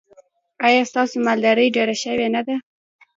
ایا ستاسو مالداري ډیره شوې نه ده؟